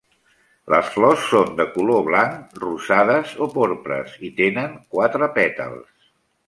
Les flors són de color blanc, rosades o porpres i tenen quatre pètals.